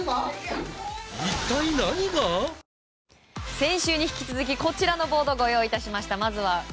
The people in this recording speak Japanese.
先週に引き続きこちらのボードご用意しました。